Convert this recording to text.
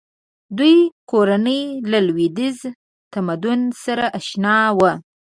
دوی کورنۍ له لویدیځ تمدن سره اشنا وه.